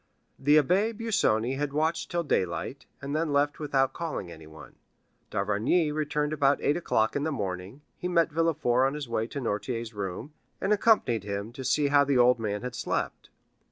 The Abbé Busoni had watched till daylight, and then left without calling anyone. D'Avrigny returned about eight o'clock in the morning; he met Villefort on his way to Noirtier's room, and accompanied him to see how the old man had slept.